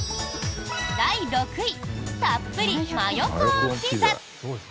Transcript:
第６位たっぷりマヨコーンピザ。